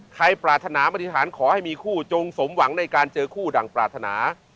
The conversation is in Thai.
ปรารถนาปฏิฐานขอให้มีคู่จงสมหวังในการเจอคู่ดั่งปรารถนา